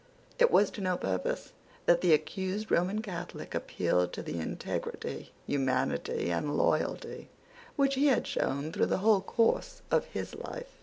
It was to no purpose that the accused Roman Catholic appealed to the integrity, humanity, and loyalty which he had shown through the whole course of his life.